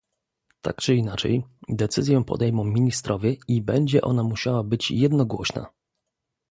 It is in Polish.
Tak czy inaczej, decyzję podejmą ministrowie i będzie ona musiała być jednogłośna